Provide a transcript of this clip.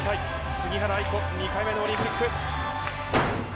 杉原愛子２回目のオリンピック。